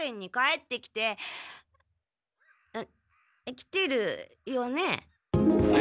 きてるよね？